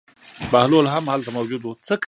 بهلول هم هلته موجود و.